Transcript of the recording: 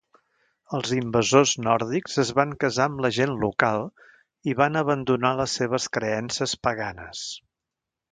Els invasors nòrdics es van casar amb la gent local i van abandonar les seves creences paganes.